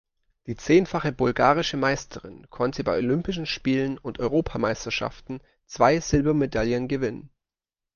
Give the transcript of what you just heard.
Die zehnfache bulgarische Meisterin konnte bei Olympischen Spielen und Europameisterschaften zwei Silbermedaillen gewinnen.